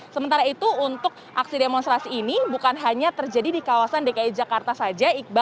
sementara itu untuk aksi demonstrasi ini bukan hanya terjadi di kawasan dki jakarta saja